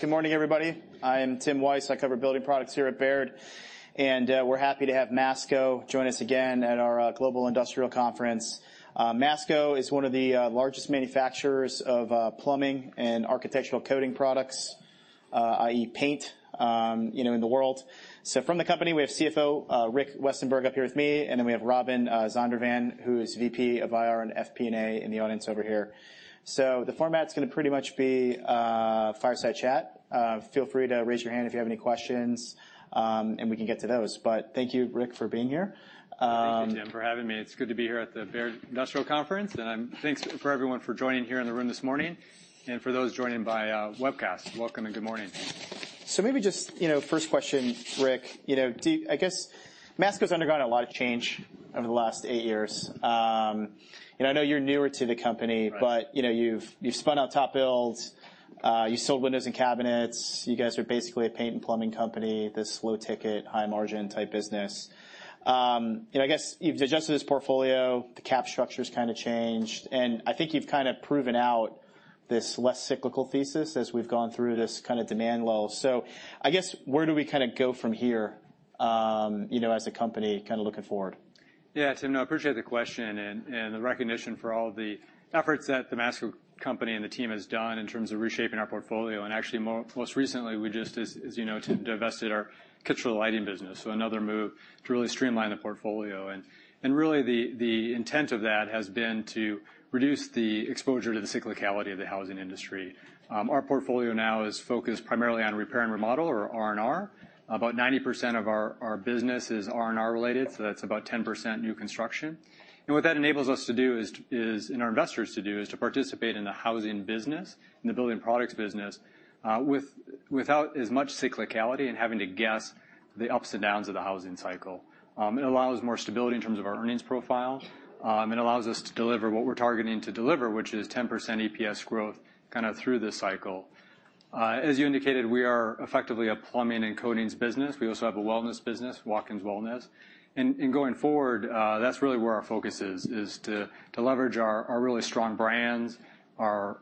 Good morning, everybody. I am Tim Weiss. I cover building products here at Baird. And we're happy to have Masco join us again at our Global Industrial Conference. Masco is one of the largest manufacturers of plumbing and architectural coating products, i.e., paint in the world. So from the company, we have CFO Rick Westenberg up here with me. And then we have Robin Zondervan, who is VP of IR and FP&A in the audience over here. So the format's going to pretty much be fireside chat. Feel free to raise your hand if you have any questions. And we can get to those. But thank you, Rick, for being here. Thank you, Tim, for having me. It's good to be here at the Baird Global Industrial Conference, and thanks to everyone for joining here in the room this morning. For those joining by webcast, welcome, and good morning. So maybe just first question, Rick. I guess Masco has undergone a lot of change over the last eight years. I know you're newer to the company. But you've spun out TopBuild. You sold windows and cabinets. You guys are basically a paint and plumbing company, this low-ticket, high-margin type business. I guess you've adjusted this portfolio. The cap structure has kind of changed. And I think you've kind of proven out this less cyclical thesis as we've gone through this kind of demand lull. So I guess where do we kind of go from here as a company kind of looking forward? Yeah, Tim, I appreciate the question and the recognition for all of the efforts that the Masco company and the team has done in terms of reshaping our portfolio. And actually, most recently, we just, as you know, divested our Kichler Lighting business, so another move to really streamline the portfolio. And really, the intent of that has been to reduce the exposure to the cyclicality of the housing industry. Our portfolio now is focused primarily on repair and remodel, or R&R. About 90% of our business is R&R related. So that's about 10% new construction. And what that enables us to do, and our investors to do, is to participate in the housing business, in the building products business, without as much cyclicality and having to guess the ups and downs of the housing cycle. It allows more stability in terms of our earnings profile. It allows us to deliver what we're targeting to deliver, which is 10% EPS growth kind of through this cycle. As you indicated, we are effectively a plumbing and coatings business. We also have a wellness business, Watkins Wellness. And going forward, that's really where our focus is, is to leverage our really strong brands, our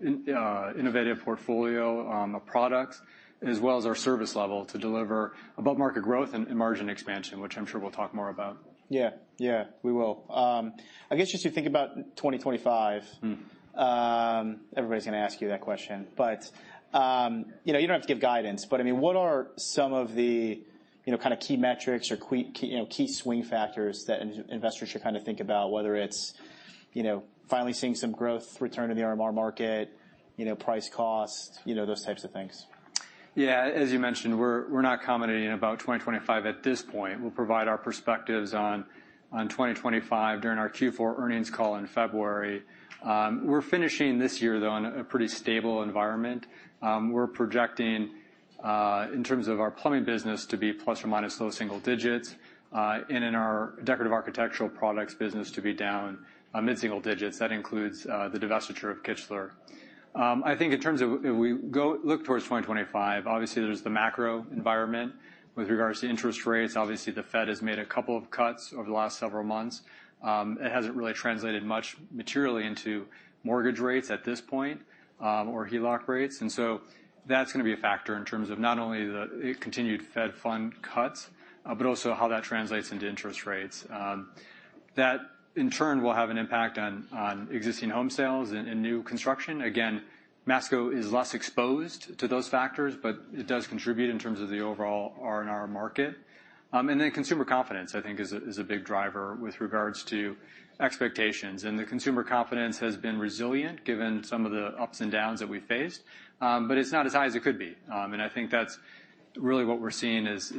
innovative portfolio of products, as well as our service level to deliver above-market growth and margin expansion, which I'm sure we'll talk more about. Yeah, yeah, we will. I guess just to think about 2025, everybody's going to ask you that question. But you don't have to give guidance. But I mean, what are some of the kind of key metrics or key swing factors that investors should kind of think about, whether it's finally seeing some growth, return to the R&R market, price-cost, those types of things? Yeah, as you mentioned, we're not commenting about 2025 at this point. We'll provide our perspectives on 2025 during our Q4 earnings call in February. We're finishing this year, though, in a pretty stable environment. We're projecting, in terms of our plumbing business, to be plus or minus low single digits. And in our decorative architectural products business, to be down mid-single digits. That includes the divestiture of Kichler. I think in terms of if we look towards 2025, obviously, there's the macro environment with regards to interest rates. Obviously, the Fed has made a couple of cuts over the last several months. It hasn't really translated much materially into mortgage rates at this point or HELOC rates. And so that's going to be a factor in terms of not only the continued Fed fund cuts, but also how that translates into interest rates. That, in turn, will have an impact on existing home sales and new construction. Again, Masco is less exposed to those factors, but it does contribute in terms of the overall R&R market. Consumer confidence, I think, is a big driver with regards to expectations. The consumer confidence has been resilient, given some of the ups and downs that we've faced. It's not as high as it could be. I think that's really what we're seeing as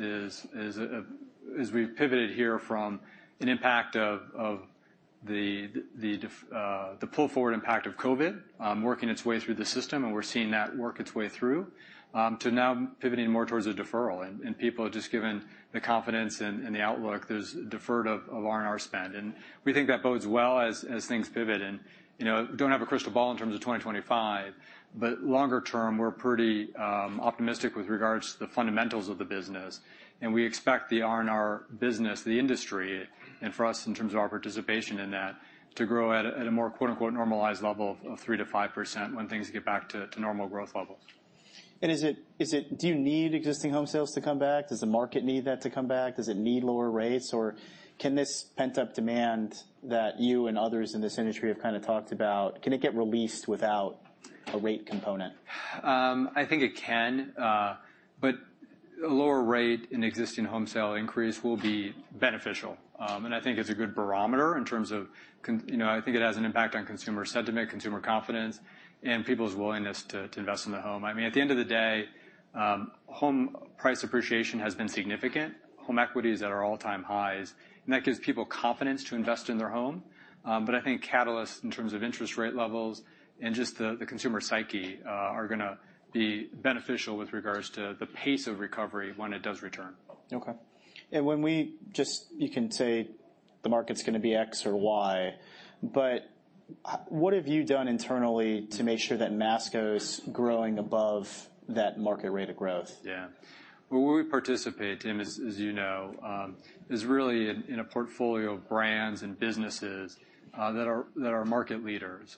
we've pivoted here from an impact of the pull-forward impact of COVID working its way through the system. We're seeing that work its way through to now pivoting more towards a deferral. People, just given the confidence and the outlook, there's a deferral of R&R spend. We think that bodes well as things pivot. We don't have a crystal ball in terms of 2025. But longer term, we're pretty optimistic with regards to the fundamentals of the business. And we expect the R&R business, the industry, and for us in terms of our participation in that, to grow at a more "normalized" level of 3%-5% when things get back to normal growth levels. Do you need existing home sales to come back? Does the market need that to come back? Does it need lower rates? Or can this pent-up demand that you and others in this industry have kind of talked about, can it get released without a rate component? I think it can. But a lower rate and existing home sales increase will be beneficial. And I think it's a good barometer in terms of I think it has an impact on consumer sentiment, consumer confidence, and people's willingness to invest in the home. I mean, at the end of the day, home price appreciation has been significant. Home equity is at all-time highs. And that gives people confidence to invest in their home. But I think catalysts in terms of interest rate levels and just the consumer psyche are going to be beneficial with regards to the pace of recovery when it does return. OK. And when we just, you can say the market's going to be X or Y. But what have you done internally to make sure that Masco's growing above that market rate of growth? Yeah. Well, where we participate, Tim, as you know, is really in a portfolio of brands and businesses that are market leaders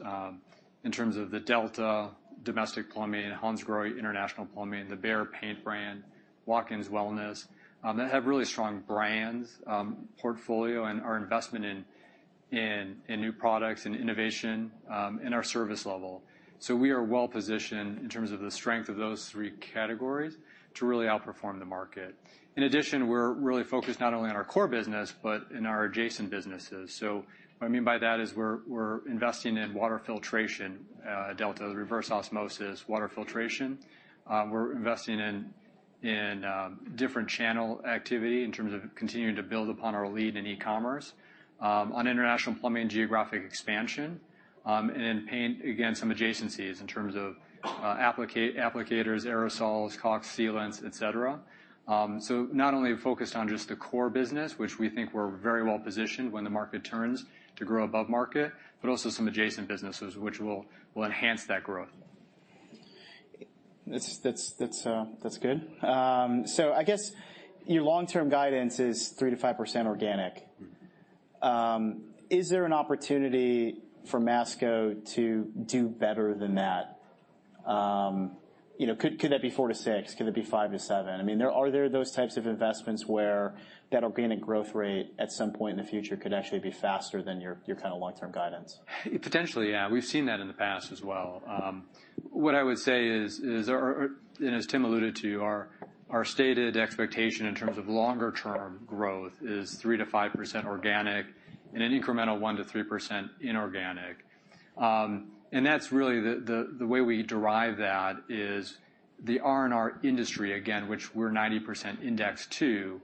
in terms of the Delta Domestic Plumbing, Hansgrohe International Plumbing, the Behr Paint brand, Watkins Wellness. They have really strong brands, portfolio, and our investment in new products and innovation and our service level. So we are well positioned in terms of the strength of those three categories to really outperform the market. In addition, we're really focused not only on our core business, but in our adjacent businesses. So what I mean by that is we're investing in water filtration, Delta Reverse Osmosis water filtration. We're investing in different channel activity in terms of continuing to build upon our lead in e-commerce, on international plumbing geographic expansion, and in paint, again, some adjacencies in terms of applicators, aerosols, caulk sealants, et cetera. So, not only focused on just the core business, which we think we're very well positioned when the market turns to grow above market, but also some adjacent businesses, which will enhance that growth. That's good. So I guess your long-term guidance is 3%-5% organic. Is there an opportunity for Masco to do better than that? Could that be 4%-6%? Could it be 5%-7%? I mean, are there those types of investments where that organic growth rate at some point in the future could actually be faster than your kind of long-term guidance? Potentially, yeah. We've seen that in the past as well. What I would say is, and as Tim alluded to, our stated expectation in terms of longer-term growth is 3%-5% organic and an incremental 1%-3% inorganic. And that's really the way we derive that is the R&R industry, again, which we're 90% indexed to,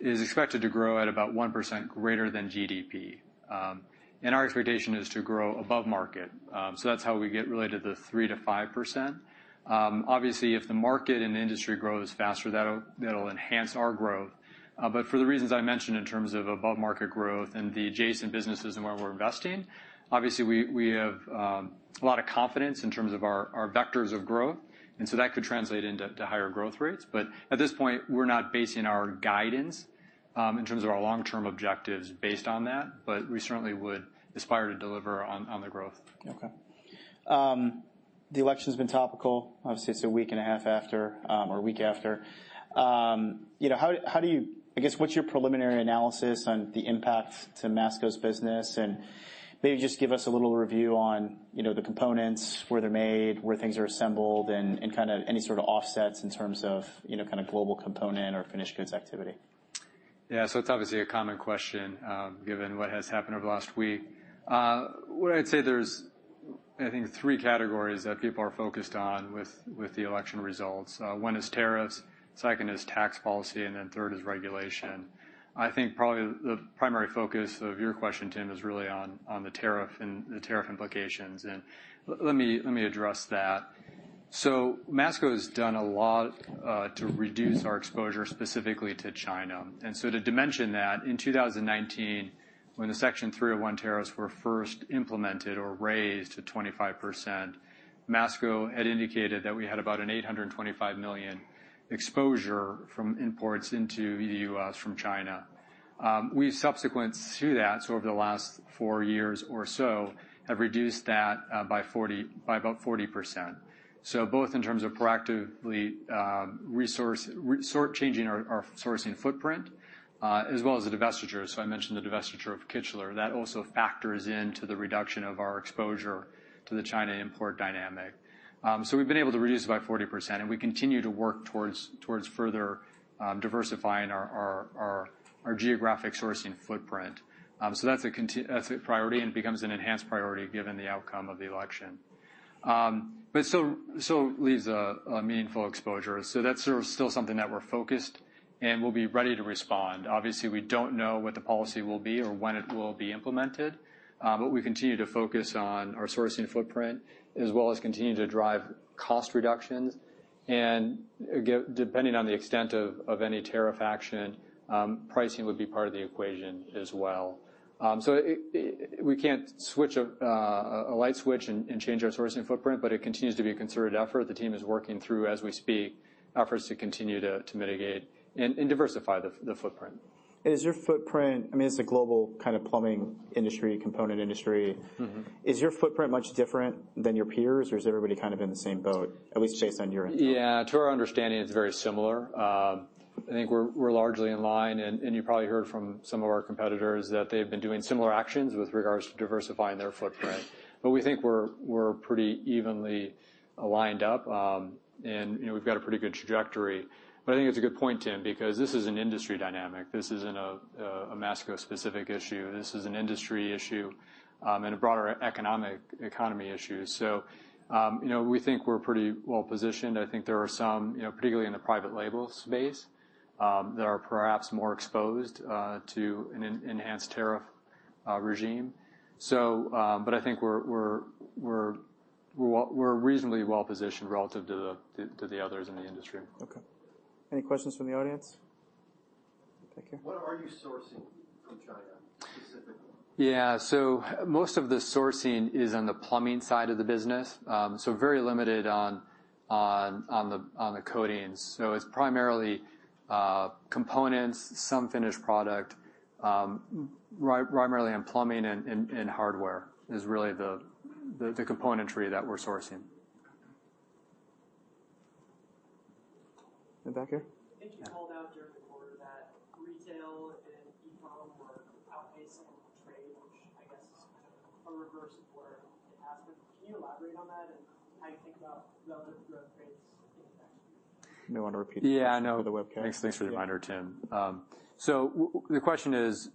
is expected to grow at about 1% greater than GDP. And our expectation is to grow above market. So that's how we get really to the 3%-5%. Obviously, if the market and industry grows faster, that'll enhance our growth. But for the reasons I mentioned in terms of above market growth and the adjacent businesses and where we're investing, obviously, we have a lot of confidence in terms of our vectors of growth. And so that could translate into higher growth rates. But at this point, we're not basing our guidance in terms of our long-term objectives based on that. But we certainly would aspire to deliver on the growth. OK. The election's been topical. Obviously, it's a week and a half after or a week after. I guess what's your preliminary analysis on the impact to Masco's business? And maybe just give us a little review on the components, where they're made, where things are assembled, and kind of any sort of offsets in terms of kind of global component or finished goods activity? Yeah, so it's obviously a common question given what has happened over the last week. What I'd say there's, I think, three categories that people are focused on with the election results. One is tariffs. Second is tax policy. And then third is regulation. I think probably the primary focus of your question, Tim, is really on the tariff and the tariff implications. And let me address that. So Masco has done a lot to reduce our exposure specifically to China. And so to dimension that, in 2019, when the Section 301 tariffs were first implemented or raised to 25%, Masco had indicated that we had about a $825 million exposure from imports into the U.S. from China. We've subsequent to that, so over the last four years or so, have reduced that by about 40%. Both in terms of proactively sort of changing our sourcing footprint, as well as the divestiture, so I mentioned the divestiture of Kichler. That also factors into the reduction of our exposure to the China import dynamic, so we've been able to reduce it by 40%. And we continue to work towards further diversifying our geographic sourcing footprint, so that's a priority. And it becomes an enhanced priority given the outcome of the election. But it still leaves a meaningful exposure, so that's still something that we're focused, and we'll be ready to respond. Obviously, we don't know what the policy will be or when it will be implemented. But we continue to focus on our sourcing footprint, as well as continue to drive cost reductions. And depending on the extent of any tariff action, pricing would be part of the equation as well. So we can't switch a light switch and change our sourcing footprint. But it continues to be a concerted effort. The team is working through, as we speak, efforts to continue to mitigate and diversify the footprint. And is your footprint? I mean, it's a global kind of plumbing industry, component industry. Is your footprint much different than your peers? Or is everybody kind of in the same boat, at least based on your insight? Yeah, to our understanding, it's very similar. I think we're largely in line, and you probably heard from some of our competitors that they've been doing similar actions with regards to diversifying their footprint, but we think we're pretty evenly lined up, and we've got a pretty good trajectory, but I think it's a good point, Tim, because this is an industry dynamic. This isn't a Masco-specific issue. This is an industry issue and a broader economic economy issue, so we think we're pretty well positioned. I think there are some, particularly in the private label space, that are perhaps more exposed to an enhanced tariff regime, but I think we're reasonably well positioned relative to the others in the industry. OK. Any questions from the audience? Take care. What are you sourcing from China specifically? Yeah, so most of the sourcing is on the plumbing side of the business. So very limited on the coatings. So it's primarily components, some finished product, primarily in plumbing and hardware is really the componentry that we're sourcing. Back here. It can hold out during the quarter that retail and e-commerce outpacing trade, which I guess is kind of a reverse of where it has. But can you elaborate on that and how you think about relative growth rates in the next few? You don't want to repeat the webcast? Yeah, no. Thanks for the reminder, Tim. So the question is,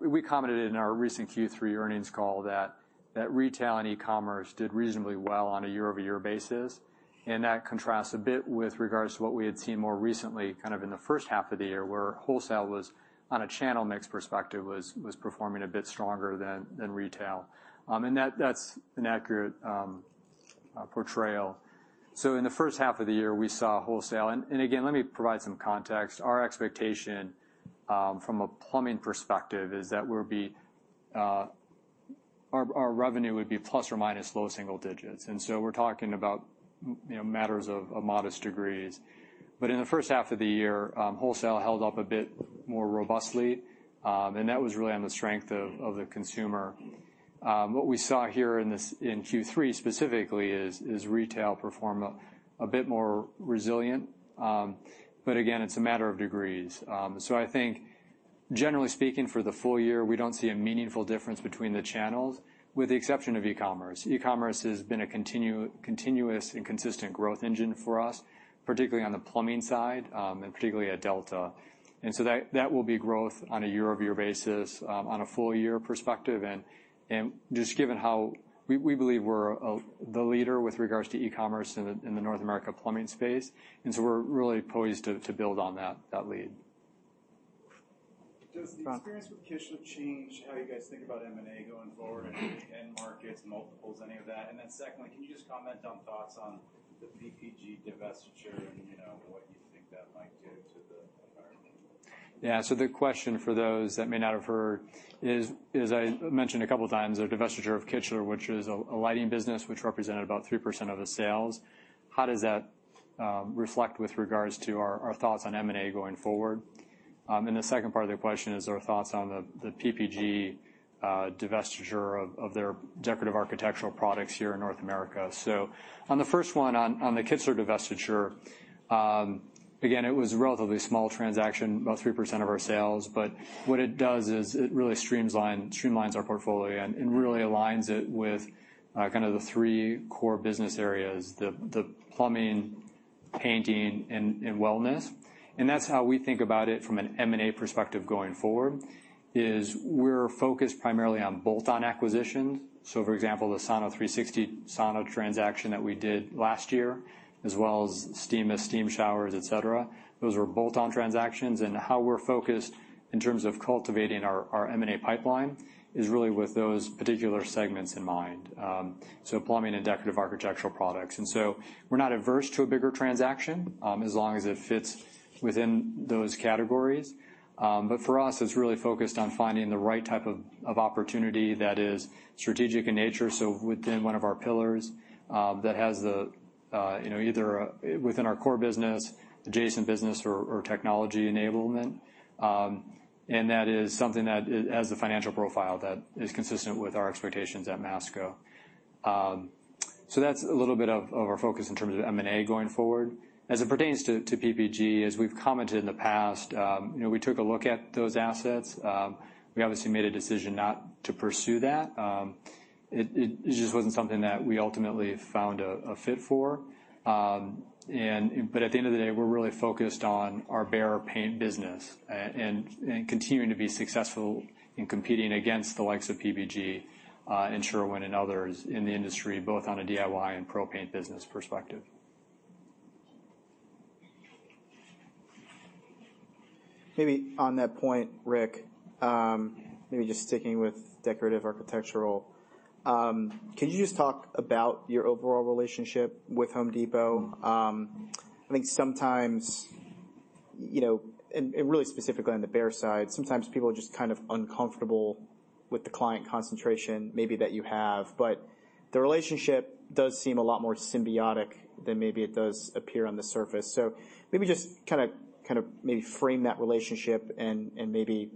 we commented in our recent Q3 earnings call that retail and e-commerce did reasonably well on a year-over-year basis. And that contrasts a bit with regards to what we had seen more recently, kind of in the first half of the year, where wholesale, on a channel mix perspective, was performing a bit stronger than retail. And that's an accurate portrayal. So in the first half of the year, we saw wholesale. And again, let me provide some context. Our expectation from a plumbing perspective is that our revenue would be plus or minus low single digits. And so we're talking about matters of modest degrees. But in the first half of the year, wholesale held up a bit more robustly. And that was really on the strength of the consumer. What we saw here in Q3 specifically is retail performed a bit more resilient, but again, it's a matter of degrees, so I think, generally speaking, for the full year, we don't see a meaningful difference between the channels, with the exception of e-commerce. E-commerce has been a continuous and consistent growth engine for us, particularly on the plumbing side and particularly at Delta, and so that will be growth on a year-over-year basis on a full-year perspective, and just given how we believe we're the leader with regards to e-commerce in the North America plumbing space, and so we're really poised to build on that lead. Does the experience with Kichler change how you guys think about M&A going forward, any end markets, multiples, any of that? And then secondly, can you just comment on thoughts on the PPG divestiture and what you think that might do to the environment? Yeah, so the question for those that may not have heard is, as I mentioned a couple of times, the divestiture of Kichler, which is a lighting business, which represented about 3% of the sales, how does that reflect with regards to our thoughts on M&A going forward? And the second part of the question is our thoughts on the PPG divestiture of their decorative architectural products here in North America. So on the first one, on the Kichler divestiture, again, it was a relatively small transaction, about 3% of our sales. But what it does is it really streamlines our portfolio and really aligns it with kind of the three core business areas: the plumbing, painting, and wellness. And that's how we think about it from an M&A perspective going forward is we're focused primarily on bolt-on acquisitions. For example, the Sauna360 transaction that we did last year, as well as Steamist, steam showers, et cetera, those were bolt-on transactions. How we're focused in terms of cultivating our M&A pipeline is really with those particular segments in mind, so plumbing and decorative architectural products. We're not averse to a bigger transaction as long as it fits within those categories. For us, it's really focused on finding the right type of opportunity that is strategic in nature, so within one of our pillars that has either within our core business, adjacent business, or technology enablement. That is something that has a financial profile that is consistent with our expectations at Masco. That's a little bit of our focus in terms of M&A going forward. As it pertains to PPG, as we've commented in the past, we took a look at those assets. We obviously made a decision not to pursue that. It just wasn't something that we ultimately found a fit for. But at the end of the day, we're really focused on our Behr Paint business and continuing to be successful in competing against the likes of PPG, Sherwin-Williams, and others in the industry, both on a DIY and pro paint business perspective. Maybe on that point, Rick, maybe just sticking with decorative architectural, could you just talk about your overall relationship with Home Depot? I think sometimes, and really specifically on the Behr side, sometimes people are just kind of uncomfortable with the client concentration maybe that you have. But the relationship does seem a lot more symbiotic than maybe it does appear on the surface. So maybe just kind of maybe frame that relationship. And maybe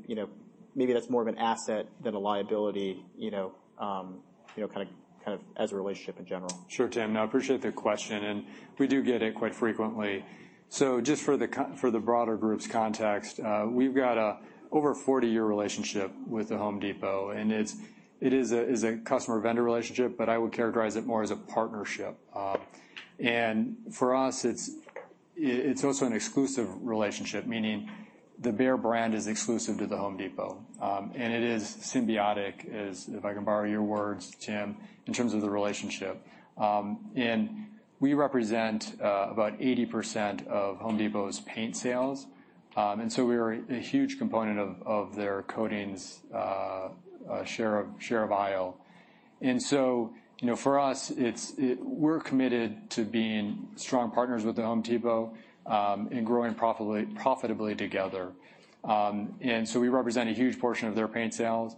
that's more of an asset than a liability kind of as a relationship in general. Sure, Tim. No, I appreciate the question, and we do get it quite frequently. So just for the broader group's context, we've got an over 40-year relationship with Home Depot. It is a customer-vendor relationship, but I would characterize it more as a partnership. For us, it's also an exclusive relationship, meaning the Behr brand is exclusive to the Home Depot. It is symbiotic, if I can borrow your words, Tim, in terms of the relationship. We represent about 80% of Home Depot's paint sales. We are a huge component of their coatings share of aisle. For us, we're committed to being strong partners with the Home Depot and growing profitably together. We represent a huge portion of their paint sales.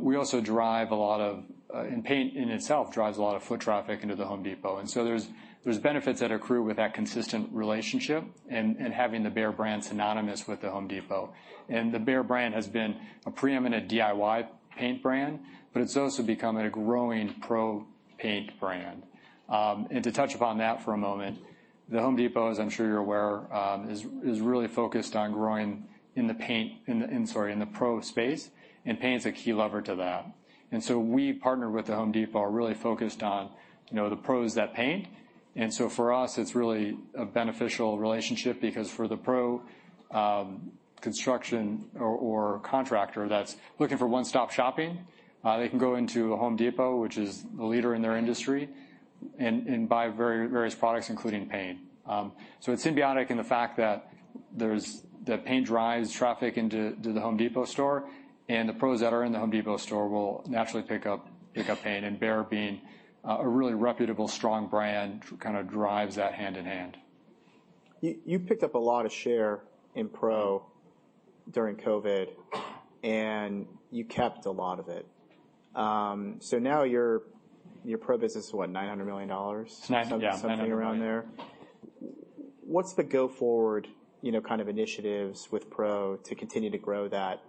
We also drive a lot of, and paint in itself drives a lot of foot traffic into the Home Depot. And so there's benefits that accrue with that consistent relationship and having the Behr brand synonymous with the Home Depot. And the Behr brand has been a preeminent DIY paint brand. But it's also become a growing pro paint brand. And to touch upon that for a moment, the Home Depot, as I'm sure you're aware, is really focused on growing in the paint, sorry, in the pro space. And paint's a key lever to that. And so we partner with the Home Depot, are really focused on the pros that paint. And so for us, it's really a beneficial relationship because for the pro construction or contractor that's looking for one-stop shopping, they can go into Home Depot, which is the leader in their industry, and buy various products, including paint. So it's symbiotic in the fact that paint drives traffic into the Home Depot store. And the pros that are in the Home Depot store will naturally pick up paint. And Behr, being a really reputable, strong brand, kind of drives that hand in hand. You picked up a lot of share in pro during COVID. And you kept a lot of it. So now your pro business is what, $900 million? It's $900 million. Something around there? What's the go-forward kind of initiatives with pro to continue to grow that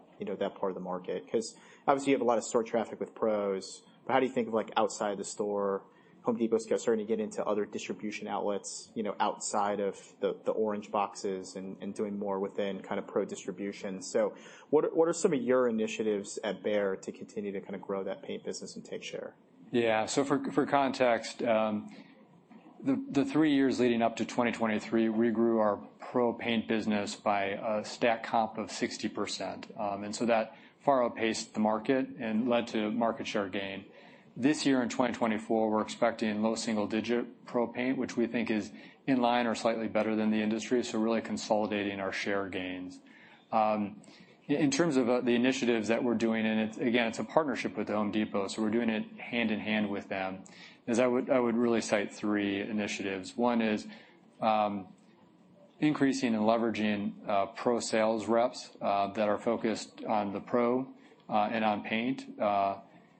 part of the market? Because obviously, you have a lot of store traffic with pros. But how do you think of outside the store? Home Depot's starting to get into other distribution outlets outside of the orange boxes and doing more within kind of pro distribution. So what are some of your initiatives at Baird to continue to kind of grow that paint business and take share? Yeah, so for context, the three years leading up to 2023, we grew our pro paint business by a stack comp of 60%. And so that far outpaced the market and led to market share gain. This year in 2024, we're expecting low single digit pro paint, which we think is in line or slightly better than the industry, so really consolidating our share gains. In terms of the initiatives that we're doing, and again, it's a partnership with the Home Depot. So we're doing it hand in hand with them. I would really cite three initiatives. One is increasing and leveraging pro sales reps that are focused on the pro and on paint.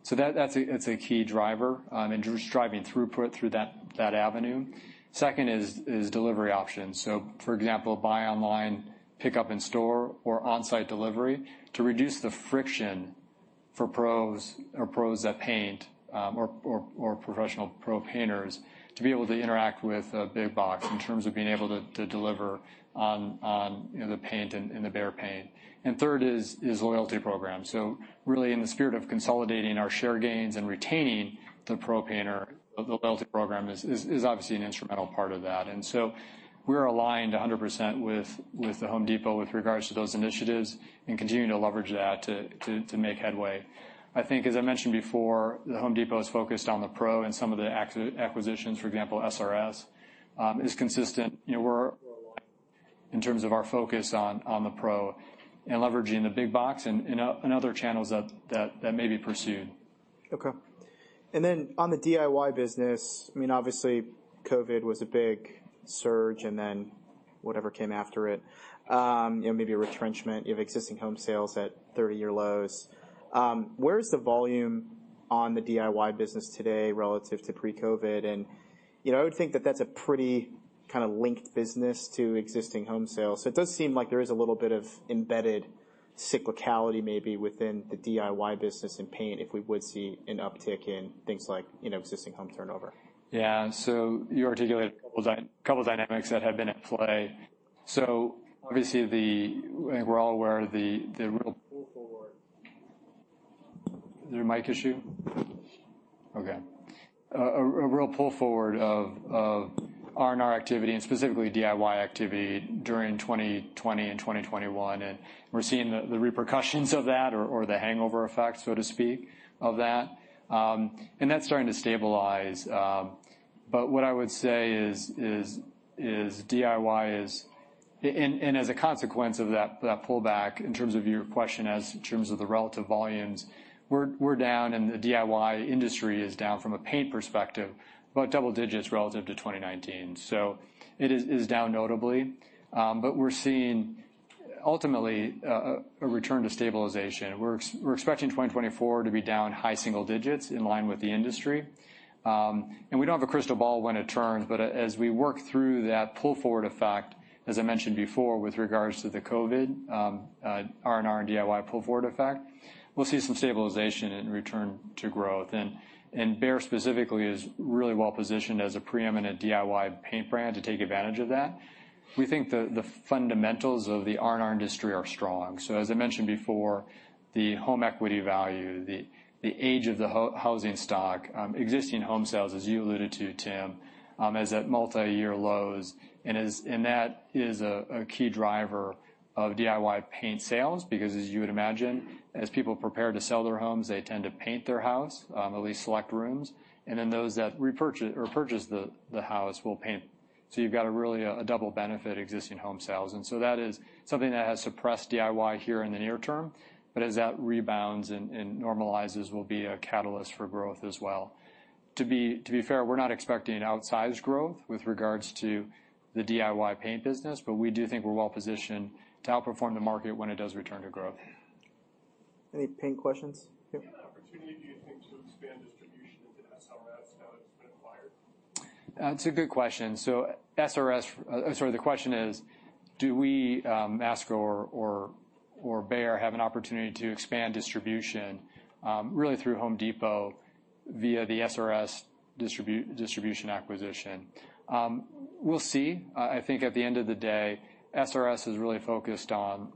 So that's a key driver and just driving throughput through that avenue. Second is delivery options. So, for example, buy online, pick up in store, or onsite delivery to reduce the friction for pros that paint or professional pro painters to be able to interact with a big box in terms of being able to deliver on the paint and the Behr paint. And third is loyalty programs. So really, in the spirit of consolidating our share gains and retaining the pro painter, the loyalty program is obviously an instrumental part of that. And so we're aligned 100% with the Home Depot with regards to those initiatives and continue to leverage that to make headway. I think, as I mentioned before, the Home Depot is focused on the pro and some of the acquisitions, for example, SRS is consistent. We're aligned in terms of our focus on the pro and leveraging the big box and other channels that may be pursued. Okay, and then on the DIY business, I mean, obviously, COVID was a big surge and then whatever came after it, maybe a retrenchment of existing home sales at 30-year lows. Where is the volume on the DIY business today relative to pre-COVID, and I would think that that's a pretty kind of linked business to existing home sales, so it does seem like there is a little bit of embedded cyclicality maybe within the DIY business and paint if we would see an uptick in things like existing home turnover. Yeah, so you articulated a couple of dynamics that have been at play. So obviously, I think we're all aware of the real pull forward. Is there a mic issue? OK. A real pull forward of R&R activity and specifically DIY activity during 2020 and 2021. And we're seeing the repercussions of that or the hangover effect, so to speak, of that. And that's starting to stabilize. But what I would say is DIY is, and as a consequence of that pullback in terms of your question, as in terms of the relative volumes, we're down, and the DIY industry is down from a paint perspective about double digits relative to 2019. So it is down notably. But we're seeing ultimately a return to stabilization. We're expecting 2024 to be down high single digits in line with the industry. And we don't have a crystal ball when it turns. But as we work through that pull forward effect, as I mentioned before, with regards to the COVID R&R and DIY pull forward effect, we'll see some stabilization and return to growth. And Behr specifically is really well positioned as a preeminent DIY paint brand to take advantage of that. We think the fundamentals of the R&R industry are strong. So as I mentioned before, the home equity value, the age of the housing stock, existing home sales, as you alluded to, Tim, are at multi-year lows. And that is a key driver of DIY paint sales. Because as you would imagine, as people prepare to sell their homes, they tend to paint their house, at least select rooms. And then those that repurchase or purchase the house will paint. So you've got really a double benefit: existing home sales. And so that is something that has suppressed DIY here in the near term. But as that rebounds and normalizes, will be a catalyst for growth as well. To be fair, we're not expecting outsized growth with regards to the DIY paint business. But we do think we're well positioned to outperform the market when it does return to growth. Any paint questions? Yeah. Opportunity do you think to expand distribution into SRS now that it's been acquired? That's a good question. So SRS, sorry, the question is, do we Masco or Baird have an opportunity to expand distribution really through Home Depot via the SRS distribution acquisition? We'll see. I think at the end of the day, SRS is really focused on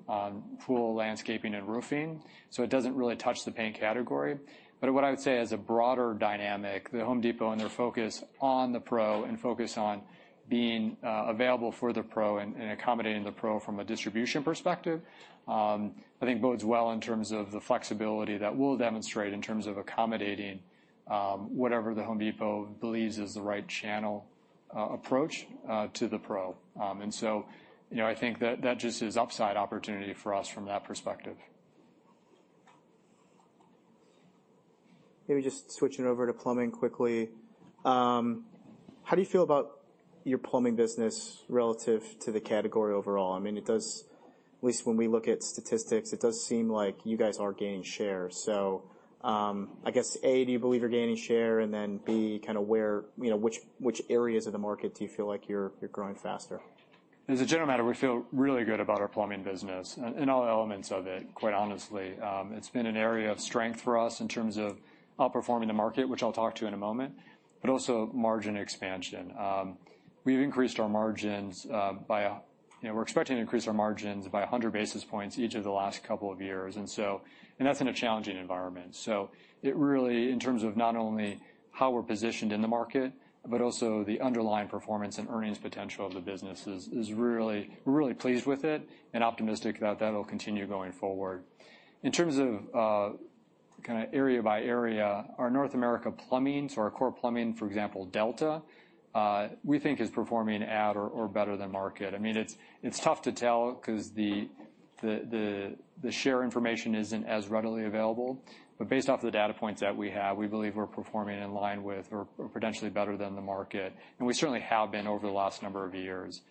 pool landscaping and roofing. So it doesn't really touch the paint category. But what I would say as a broader dynamic, the Home Depot and their focus on the pro and focus on being available for the pro and accommodating the pro from a distribution perspective, I think bodes well in terms of the flexibility that we'll demonstrate in terms of accommodating whatever the Home Depot believes is the right channel approach to the pro. And so I think that that just is upside opportunity for us from that perspective. Maybe just switching over to plumbing quickly. How do you feel about your plumbing business relative to the category overall? I mean, it does, at least when we look at statistics, it does seem like you guys are gaining share. So I guess, A, do you believe you're gaining share? And then B, kind of which areas of the market do you feel like you're growing faster? As a general matter, we feel really good about our plumbing business and all elements of it, quite honestly. It's been an area of strength for us in terms of outperforming the market, which I'll talk to in a moment, but also margin expansion. We've increased our margins by, we're expecting to increase our margins by 100 basis points each of the last couple of years, and that's in a challenging environment, so it really, in terms of not only how we're positioned in the market, but also the underlying performance and earnings potential of the business, we're really pleased with it and optimistic that that'll continue going forward. In terms of kind of area by area, our North America plumbing, so our core plumbing, for example, Delta, we think is performing at or better than market. I mean, it's tough to tell because the share information isn't as readily available. But based off of the data points that we have, we believe we're performing in line with or potentially better than the market, and we certainly have been over the last number of years.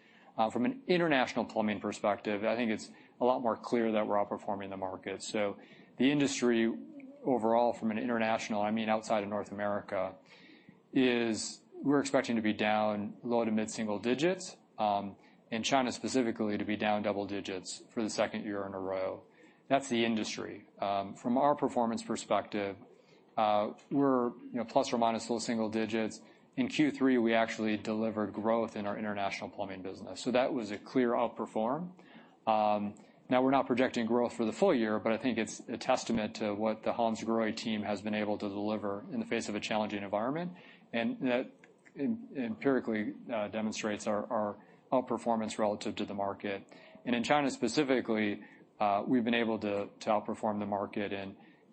From an international plumbing perspective, I think it's a lot more clear that we're outperforming the market, so the industry overall, from an international, I mean, outside of North America, we're expecting to be down low- to mid-single digits and China specifically to be down double digits for the second year in a row. That's the industry. From our performance perspective, we're plus- or minus- low-single digits. In Q3, we actually delivered growth in our international plumbing business, so that was a clear outperform. Now, we're not projecting growth for the full year. But I think it's a testament to what the Hansgrohe team has been able to deliver in the face of a challenging environment. And that empirically demonstrates our outperformance relative to the market. And in China specifically, we've been able to outperform the market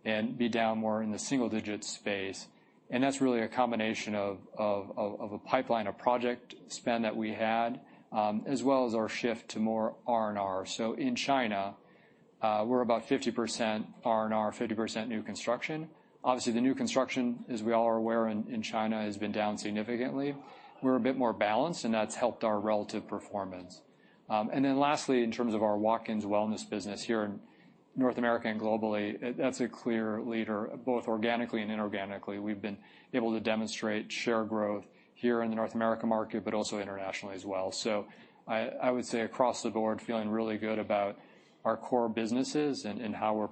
and be down more in the single digit space. And that's really a combination of a pipeline, a project spend that we had, as well as our shift to more R&R. So in China, we're about 50% R&R, 50% new construction. Obviously, the new construction, as we all are aware in China, has been down significantly. We're a bit more balanced. And that's helped our relative performance. And then lastly, in terms of our Watkins Wellness business here in North America and globally, that's a clear leader, both organically and inorganically. We've been able to demonstrate share growth here in the North America market, but also internationally as well. So I would say across the board, feeling really good about our core businesses and how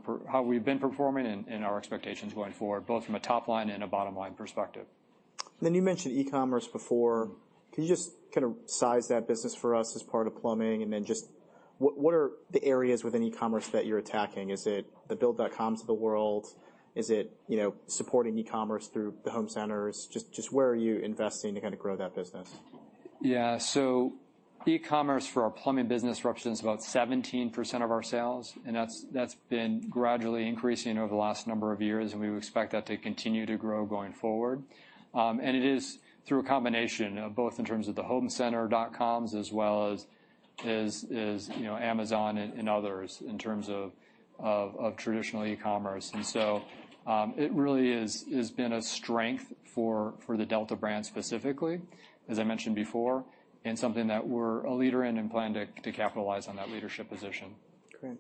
we've been performing and our expectations going forward, both from a top line and a bottom line perspective. Then you mentioned e-commerce before. Can you just kind of size that business for us as part of plumbing? And then just what are the areas within e-commerce that you're attacking? Is it the Build.coms of the world? Is it supporting e-commerce through the home centers? Just where are you investing to kind of grow that business? Yeah, so e-commerce for our plumbing business represents about 17% of our sales, and that's been gradually increasing over the last number of years, and we expect that to continue to grow going forward, and it is through a combination of both in terms of the home center dot-coms as well as Amazon and others in terms of traditional e-commerce, and so it really has been a strength for the Delta brand specifically, as I mentioned before, and something that we're a leader in and plan to capitalize on that leadership position. Great.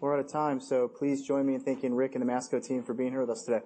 We're out of time. So please join me in thanking Rick and the Masco team for being here with us today.